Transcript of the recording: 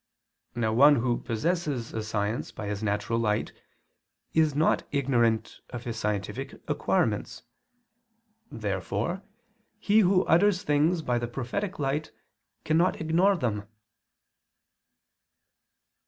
Now one who possesses a science by his natural light, is not ignorant of his scientific acquirements. Therefore he who utters things by the prophetic light cannot ignore them.